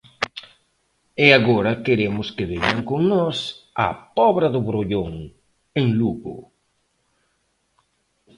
E agora queremos que veñan con nós á Pobra do Brollón, en Lugo.